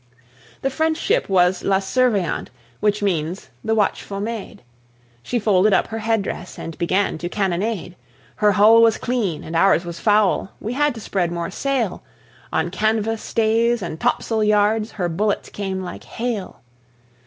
The French ship was La Surveillante, which means the watchful maid; She folded up her head dress and began to cannonade. Her hull was clean, and ours was foul; we had to spread more sail. On canvas, stays, and topsail yards her bullets came like hail.